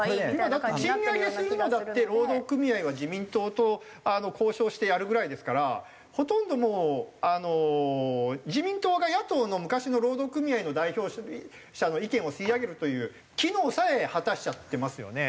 今賃上げするのだって労働組合は自民党と交渉してやるぐらいですからほとんどもうあの自民党が野党の昔の労働組合の代表者の意見を吸い上げるという機能さえ果たしちゃってますよね。